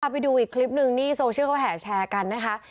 ไปดูอีกคลิปนึงนี่โซเชียลเขาแห่แชร์กันนะคะ